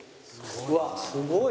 うわすごい！